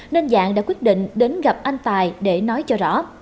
nên dạng đã quyết định đến gặp anh tài để nói cho rõ